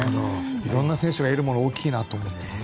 色んな選手が得るものは大きいなと思ってます。